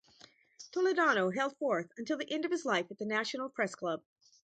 Toledano held forth until the end of his life at the National Press Club.